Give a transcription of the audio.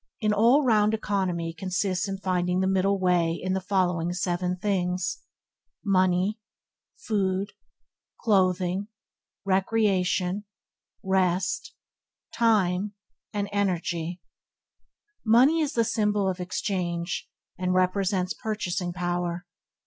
An all round economy consists in finding the middle way in the following seven things: Money, Food, Clothing, Recreation, Rest, Time and Energy. Money is the symbol of exchange, and represents purchasing power.